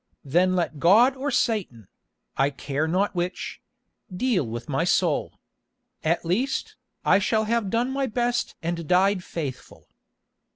Then let God or Satan—I care not which—deal with my soul. At least, I shall have done my best and died faithful."